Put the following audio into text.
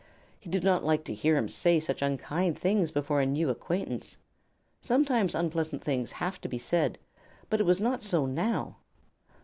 He did not like to hear him say such unkind things before a new acquaintance. Sometimes unpleasant things have to be said, but it was not so now.